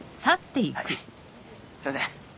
はいすいません。